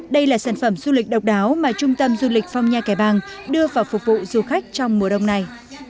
đây là sản phẩm du lịch độc đáo mà trung tâm du lịch phong nha kẻ bàng đưa vào phục vụ du khách trong mùa đông này